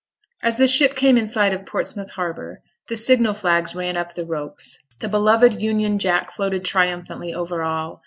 As the ship came in sight of Portsmouth harbour, the signal flags ran up the ropes; the beloved Union Jack floated triumphantly over all.